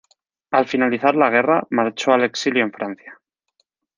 Al finalizar la guerra marchó al exilio en Francia.